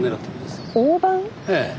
ええ。